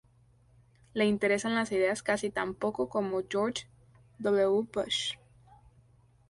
Le interesan las ideas casi tan poco como George W. Bush.